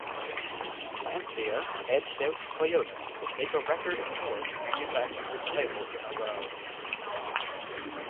Lancia edged out Toyota to take a record fourth manufacturers' title in a row.